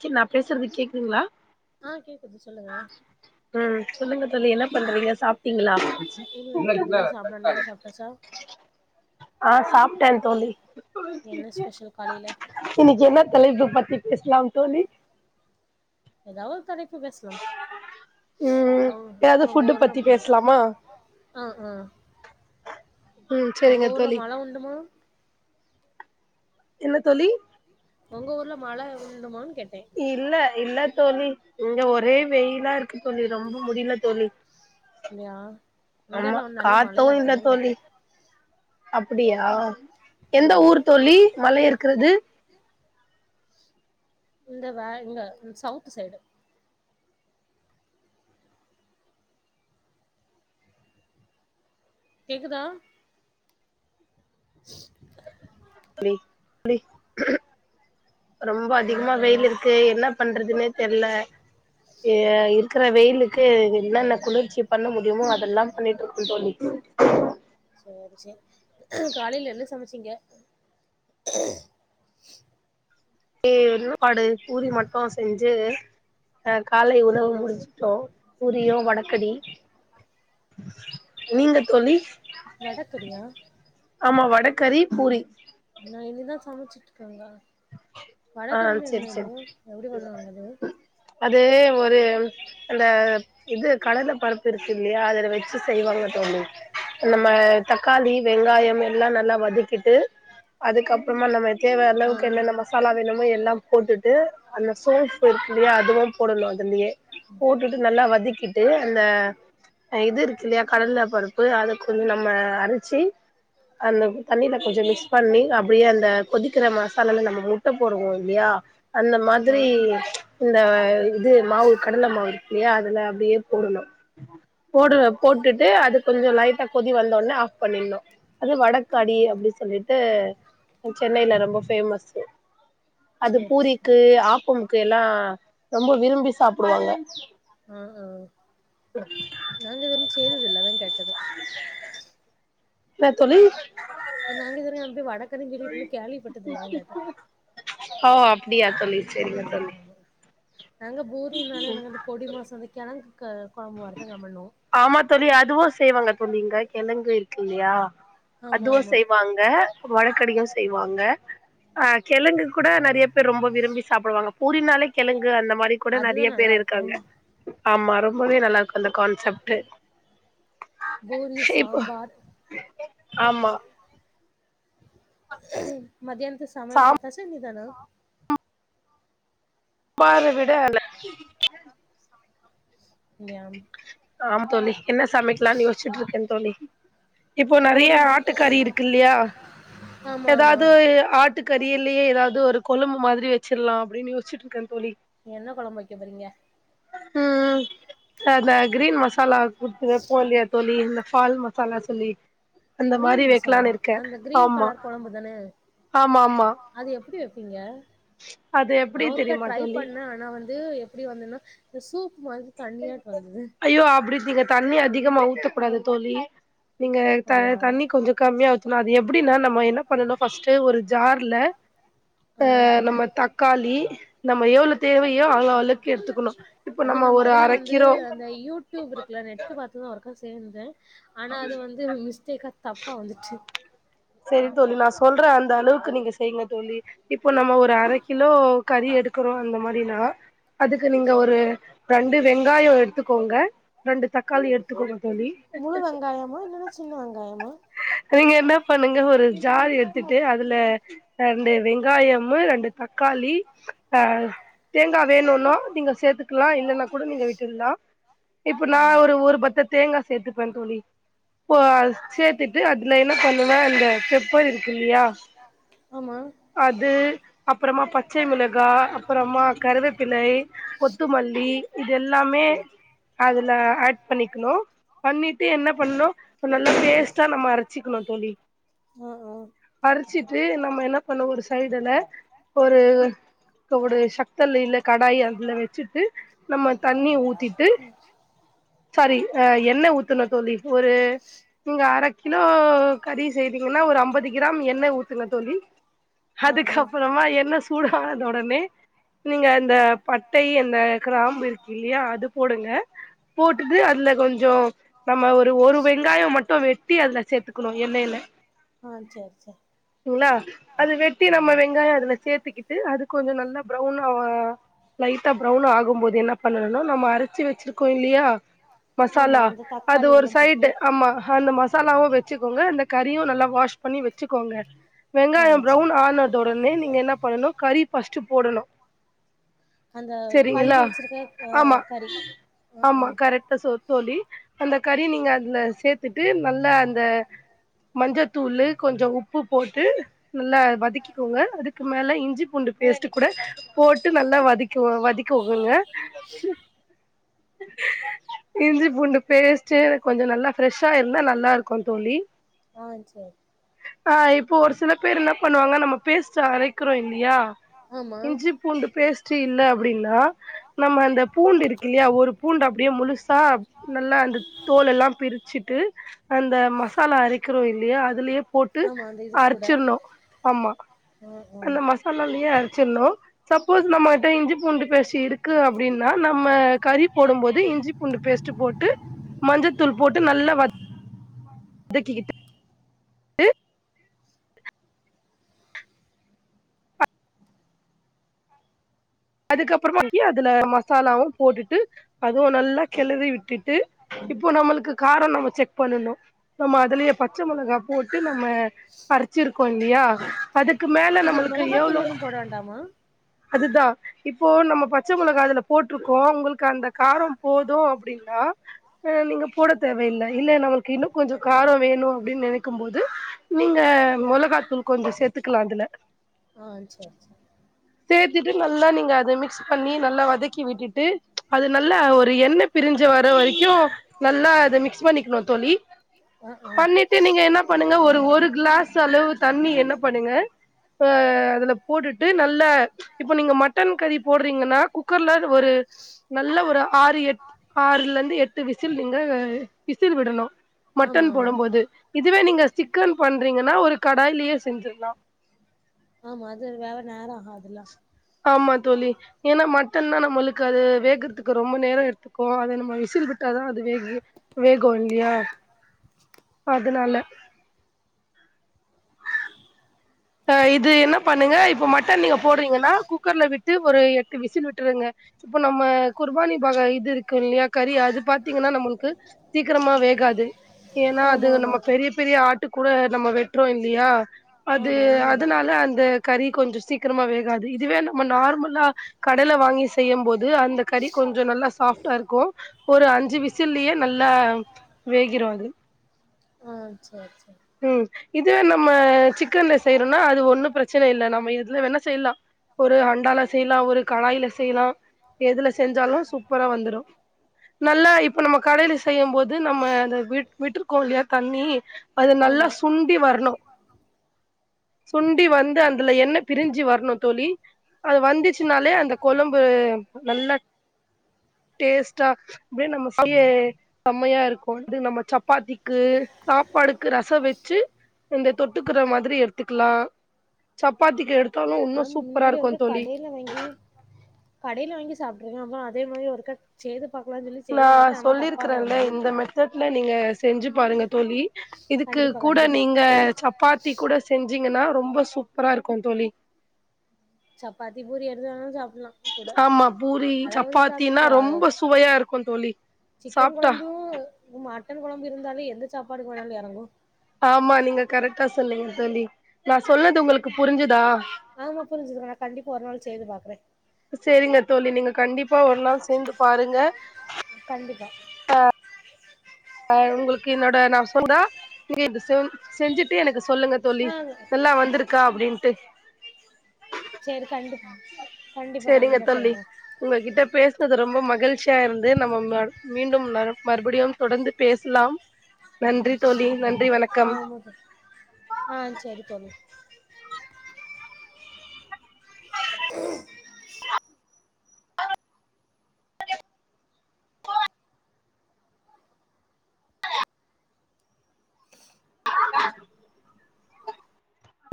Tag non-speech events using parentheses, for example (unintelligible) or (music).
Sir நா பேசுறது கேக்குதுங்களா ஆ கேக்குது சொல்லுங்க சொல்லுங்க தோழி என்ன பண்றீங்க சாப்பிட்டீங்களா மெர்சி இன்னும் இல்ல கட் ஆயிடுச்சு ஆ சாப்பிட்டே தோழி இன்னைக்கி என்ன தலைப்பு பத்தி பேசி ஏ தோழி ஏதாவது கதைப் க்கு பேசலா ஆ அங்க வர்லும் அ அ உங்க ஊர்ல மழ உண்டுமா என்ன தோழி உங்க ஊருல மழ உண்டுமா இல்ல இல்ல தோழி இங்க ஒரே வெயிலாரு க்கு தோழி ரொம்ப முடியல தோழி ஆமா காத்து இல்ல தோழி அப்புடியா எந்த ஊர் தோழி வள இருக்கிறது இந்த வே இங்க சவுத் சைடு கேக்குதா உம் (unintelligible) ரொம்ப அதிகமா வெயில் இருக்கு என்ன பண்றது எதுமே தெர்ல எ இருக்கற வெயிலுக்கு என்னென்ன குளிர்ச்சி பண்ண முடியுமோ அதெல்லா பண்ணிட்ருக்கோ தோழி சேர் சேர் காலையில என்ன சமைச்சீங்க ஹூம் ஏர் பாடு பூரி மட்டும் செஞ்சு அ கால்ல உணவு முடிஞ்சுட்டோ பூரியு வடக்கடி நீங்க தோழி வடக்கறியா ஆமா வடக்கறி பூரி நா இனிதா சமைச்சிட்டுருக்கங்கா ஆ செரி செரி அது ஒரு அந்த இது கலந்த பருப்பு இருக்கு இல்லியா அதல வெச்சு செய்வாங்க தோழி நம்ம தக்காளி வெங்காயம் எல்லா நல்லா வதக்கிட்டு அதுக்க ப்பறமா நம்ம எ தேவையா அளவுக்கு என்ன நம்ம அதெல்லாமே எல்லாம் போட்டுட்டு அந்த சோப்பு இருக்கு இல்லியா அதுவும் போடணு அதுலியே போட்டுட்டு நல்லா வதி கிட்டு அந்த அ இது இருக்கு இல்லியா கடல பருப்பு அத கொஞ் நம்ம அரச்சி அந்த தண்ணில கொஞ்ஜொ மிக்ஸ் பண்ணி அ ப்டியே அந்த கொதிக்கிற மசாலால நம்ம மு ட்ட போடுவோ இல்லியா அந்த மாதிரி இந்த இது மாவு கடல மாவு இருக்கில்லியா அ துல அப்டியே போடுணு போடுவே போட்டுட்டு அது கொஞ்சொ லைட்டா கொதி வந்தொன்னே ஆஃப் பண்ணிண்ணு அது வட கடி அப்டி சொல்லிட்டு சென்னைல ரொம்ப ஃபேமஸு அது பூரிக்கு ஆப்பம் க்கு எல்லா ரொம்ப விரும்பி சாப்புடுவாங்க அ ஆ நாங்க இது ஒன் செய்றதில்ல அதாங் கேட்டது ன்னா தோழி (unintelligible) கேள்விபட்டதில்ல அதாங் கேட்டே ஆமா ஆமா நாங்க பூரினாலே நாங்க அந்த பொடி மாசு அந்த கெழங்கு க ஆமா தோழி அதுவு செய்வாங்க தோழி இங்க கெழங்கு கில்லியா அதுவு செய்வாங்க வடகடியு செய்வாங்க ஆ கெழங்கு கூட நறிய ரொம்ப விரும்பி சாப்புடுவங்க பூரினாலே கெழ கு அந்த மாரி கூட நறிய பேரு இருக்காங்க ஆமா ரொம்பவே நல்லா அந்த கான்செப்ட்டு இப்போ ஆமா மத்தியான்து சமையல் பாத்தாச்சா இனி தானா பார விட அல (unintelligible) ஆம் தோழி என்ன சமைக்கலான் யோசிச்சுட்டுருக்கே தோழி இப்போ நெறைய ஆட்டுக்கறி இருக்கு இல்லியா எதாவ்து ஆட்டுக்கறிகள்லியே எதாவ்து ஒரு கொழும்பு மாதிரி வெச்சிற்லா அப்டின்னு யோச்சுட்ருக்கே தோழி நீங்க என்ன கொழம்பு வைக்க போறீங்க ம் அ அந்த கிரீன் மசாலா (inaudible) வெப்போல்லியா தோழி இந்த ஃபால் மசாலா சொல்லி அந்த மாதிரி வைக்கலான்னு இருக்கே ஆமா ஆமாமா பீங்க நா ஒருக்கா ட்ரை பண்ணே ஆனா வந்து எப்டி வந்துன்னா இந்த சூப் மாரி தண்ணியாட் வந்து அய்யோ அப்டி நீங்க தண்ணியா அதிகமா ஊத்தக்கூடாது தோழி நீங்க த தண்ணி கொஞ்சோ கம்மியா ஊத்ணு அது எப்டின்னா நம்ம என்ன பண்ணணு ஃபஸ்ட்டு ஒரு ஜார்ல அ நம்ம தக்காளி நம்ம எவ்ள தேவையோ அவ்ளோ (unintelligible) இக்கு எத்துக்கணு இப்ப நம்ம ஒரு அதுல வந்து அந்த யூடியூப் ருக்குல நெட்டு பாத்துதா சேந்தே ஆனா அது வந்து மிஸ்டேக்கா தப்பா வந்துச்சு (unintelligible) சொல்ற அந்த அளவுக்கு நீங்க செய்ங்க தோழி இப்ப நம்ம ஒரு அர கிலோ கறி எடுத்து க்குரோ அந்த மாரினா அதுக்கு நீங்க ஒரு ரெண்டு வெங்காயோ எத்துக்கோங்க ரெண்டு தக்காளி எத்துக்கோங்க முழு வெங்காயமா இல்லன்னா சின்ன வெங்காயமா நீங்க என்ன பண்ணுங்க ஒரு ஜார் எத்துட்டு அதுல ரெண்டு வெங்காயம்மு ரெண்டு தக்காளி ஆ தேங்கா வேணுனா நீங்க சேத்துக்குலா இல்லன்னா கூட நீங்க விட்டுல்லா இப்ப நா ஒரு ஒரு பத்த தேங்கா சேத்துப்பே தோழி போ சேத் சேத்துட்டு அதுல என்ன பண்ணுவ அந்த பெப்பர் இருக்கு இல்லயா அது அப்றமா பச்சை மிளகா அப்றமா கருவேப்பில கொத்துமல்லி இது எல்லாமே அதுல ஆட் பண்ணிக்கணு பண்ணிட்டு என்ன பண்ணுஒரு நல்ல பேஸ் ஸ்டா நம்ம அரச்சிக்கணு தோழி அரச்சிட்டு நம்ம என்ன பண்ணணு ஒரு சைடுல ஒரு ஒரு சக்த (unintelligible) கடாய் அது குள்ள வச்சுட்டு நம்ம தண்ணி ஊத்திட்டு சாரி அ எண்ண ஊத்தனு தோழி ஒரு நீங்க அர கிலோ கறி செய்தீங்கன்னா ஒரு ஐம்பது கிராம் எண்ண ஊத்துங்க தோழி அதுக்கப்றமா எண்ண சூடானதொடனே நீங்க அந்த பட்டை அந்த கிராம்பு இருக்கு இல்லையா அது போடுங்க போட்டுட்டு அதுல கொஞ்சோ நம்ம ஒரு ஒரு வெங்காயோ மட் (inaudible) வெட்டி அதுல சேத்துக்கணு எண்ணய் ல ங்களா அது வெட்டி நம்ம வெங்காயம் அதுல சேத்துக்கிட்டு அது கொஞ்சோ நல்லா ப்ரௌனா ஆ லைட்டா ப்ரௌன் ஆகும்போது என்ன பண்ணனுனா நம்ம அரைச்சு வச்சிருக்கோ இல்லியா மசாலா அது ஒரு சைடு ஆமா அந்த மசாலாவு வெச்சுக்கோங்க அந்த கறியு நல்லா வாஷ் பண்ணி வெச்சுக்கோங்க வெங்காயோ ப்ரவுன் ஆனதுடனே நீங்க என்ன பண்ணும் கறி ஃப்ஸ் ச்ச போடணு அந்த கழுவி வெச்சிருக்க அ கறி ஆ ஆ அந்த கறி நீங்க அதுல த்துட்டு நல்லா அந்த மஞ்ச தூளு கொஞ்சோ உப்பு போட்டு நல்லா வதக்கிக்கோங்க அதுக்கு மேல இஞ்சி பூண்டு பேஸ்ட்டு கூட போட்டு நல்லா வதிக் கோ வதிக்கோகுங்க இஞ்சி பூண்டு பேஸ்டு எனக் கொஞ்சோ நல்லா ஃப்ரெஷ்ஷா இருந்தா நல்லாருக் க்கோ தோழி ஆ இப்போ ஒரு சில பேர் என்ன பண்ணுவாங்க நம்ம பேஸ்ட் அரைக்குறோ இல் லியா இஞ்சி பூண்டு பேஸ்ட் சீ இல்ல அப்புடின்னா நம்ம அந்த பூண்டு இருக்கு இல்லையா ஒரு பூண்டு அப்டே முழுசா நல்லா அந்த தோலெல்லா பிரிச் ச்சுட்டு அந்த மசாலா அரைக்குறோ இல்லையா அதுலே போட்டு அரச்சின்ணு ஆமா அந்த மசாலாலியே அரச்சிட்ணு சப் சப்போஸ் நம்ம கிட்ட இஞ்சி பூண்டு பேஸ்ட் இருக்கு அப்புடின்னா நம்ம கறி போடும் போது இஞ்சி பூண்டு பேஸ்ட்டு போட்டு மஞ்சத்தூள் போட் ட்டு நல்லா (unintelligible) அதுக்கப்புறமா (unintelligible) அதுல மசாலாவும் போட்டுட்டு அதுவும் நல்லா கிளறி விட்டுட்டு இப்போ நம்மளுக்கு காரோ நம்மோ செக் பண்ணணு நம்ம அதுலயே பச்ச மொளகா போட்டு ந ம்ம அரச்சிருக்கோ லியா அதுக்கு மேல நம்மளுக்கு எவ்ளோ அதுதா இப்போ நம்ம பச்ச மிளகா அதுல போட்ருக்கோ உங்களுக்கு அந்த காரம் போதோ அப்புடின்னா அ நீங்க போட தேவயில்ல இல்ல நம்மளுக்கு இன்னும் கொஞ்சோ காரோ வேணூ அப்புடின் நெனைக்கும் போது நீங்க மொளகா தூள் கொஞ்சோ சேத்துக்குலா அதுல ஆ சரி சரி சேத்துட்டு நல்லா நீங்க அது மிக்ஸ் பண்ணி நல்லா வத க்கி விட்டுட்டு அது நல்லா ஒரு எண்ணெ பிரி்ஞ்சி வர வரிக்கு நல்லா அது மிக்ஸ் பண்ணிக்கணும் தோழி பண்ணிட்டு நீங்க என்னா பண்ணுங்க ஒரு ஒரு கிளாஸ் அளவு தண்ணி என்ன பண்ணுங்க அ அதுல போட்டுட்டு நல் இல்ல இப்ப நீங்க மட் ட்டன் கறி போட்றீங்கன்னா குக்கர்ல ஒரு நல்ல ஒரு ஆறு எட் ஆறுலந்து எட்டு விசில் நீங்க விசில் விடணு மட்டன் போடும் போது இதுவே நீங்க சிக்கன் பண்றீங்கன்னா ஒரு கடாயிலியே செஞ்சிர்லா ஆமா அது வேவ நேரோ ஆவுதுல்ல ஆமா தோழி என்னா மட் ட்டன்னா நம்மளுக்கு அது வேகுறதுக்கு ரொம்ப நேரோ எடுத்துக்கு அத நம்ம விசில் விட்டாதா அது வேகு வேகு இல்லையா அதனால அ இது என்ன பண்ணுங்க இப்ப மட்டன் நீங்க போட்றீங்கன்னா குக்கர்ல விட்டு ஒரு எட்டு விசில் விட்டுருங்க இப்ப நம்ம குர்பானி பக இது இருக்கு இல்லையா கறி அது பாத்தீங்கன்னா நம்மளுக்கு சீக்கிரமா வேகாது ஏன்னா அது நம்ம பெரிய பெரிய ஆட்டு கூட நம்ம வெட்றோ இல்லையா அது அதுனால அந்த கறி கொஞ்சோ சீக்கிரமா வேகாது இதுவே ந நம்ம நார்மலா கடல வாங்கி செய்யம் போது அந்த கறி கொஞ்சோ நல்லா சாஃப்ட்டா இருக்கு ஒரு அஞ்சு விசுல்லயே நல்லா வேகிரும் அது ஆ சேர் சேர் இதுவே நம்ம சிக் க்கன்ல செய்றோன்னா அது ஒன்னு பிரச்சன இல்ல நம்ம எதுல வேனா செய்லா ஒரு குண்டால செய்லா ஒரு கடாயில செய்லா எதுல செஞ்சாலு சூப்பரா வந்துடு நல்லா இப்ப நம்ம கடேல செய்யும் போது நம்ம அத விட் விட்டு இருக்கோ இல்லயா தண்ணி அது நல்லா சுண்டி வர்ணு சுண்டி வந்து அதுல எண்ண பிரிஞ்சு வரணு தோழி. அது வந்திச்சின்னாலே அந்த கொழம்பு நல்லா டேஸ்ட்டா அப்டியே நம்ம அப்டியே செம்மையா இருக்கு. அது நம்ம சப்பாத்திக்கு, சாப்பாட்க்கு ரச வச்சு இந்த தொட்டு க்கற மாரி எடுத்துக்கலா. சாப் ஆ முன்னாடி ஒருக்க கடேல வாங்கி கடேல வாங்கி சாப் (unintelligible) அதே மாரி ஒருக்க செய்து நா சொல்லிருக்கறேன்ல்ல இந்த மெத்தட்ல நீங்க செஞ்சு பாருங்க தோழி. இதுக்கு கூட நீங்க சப்பாத்தி கூட செஞ்சீங்கன்னா ரொம்ப சூப்பரா இருக்கு தோழி சப்பாத்தி, பூரி எது வேணாலு சாப் ஆமா பூரி, சப்பாத்தினா ரொம்ப சுவையா இருக்கு தோழி சாப்ட்டா மட்டன் கொழம்பு இருந்தாலே எந்த சாப்பாட்டுக்கு வேணாலு எறங்கு. ஆமா நீங்க கரெட்டா சொன்னீங்க தோழி ஆமா புரிஞ்சுக்குறே. நா கண்டிப்பா ஒரு நாளு செய்து பாக்குறே. செரிங்க தோழி நீங்க கண்டிப்பா ஒரு நாள் செஞ்சு பாருங்க. ஆ ஆ உங்களுக்கு என்னோட நா சூடா நீங்க இத செ செஞ்சிட்டு எனக்கு சொல்லுங்க தோழி நல்லா வந்துருக்கா அப்டின் ட்டு செரி கண்டிப் செரிங்க தோழி உங்ககிட்ட பேசுனது ரொம்ப மகிழ்ச்சியா இருந்து நம்ம ம மீண்டும் மறு மறுபடியும் தொடந்து பேஸ்லாம் நன்றி தோழி நன் ஆமா தோழி ஆ சரி தோழி